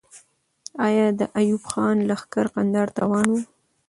آیا د ایوب خان لښکر کندهار ته روان وو؟